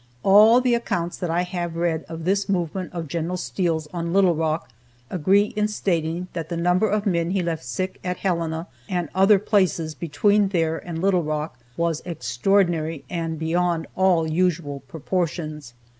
All the accounts that I have read of this movement of Gen. Steele's on Little Rock agree in stating that the number of men he left sick at Helena and other places between there and Little Rock was extraordinary and beyond all usual proportions.